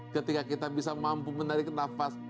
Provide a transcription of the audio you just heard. ketika kita bisa mampu menarik nafas